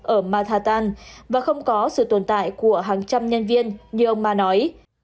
ở matatan và không có sự tồn tại của hàng trăm nhân viên như ông ma nói